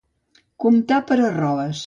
Comptar per arroves.